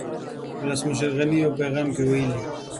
ولسمشر غني په يو پيغام کې ويلي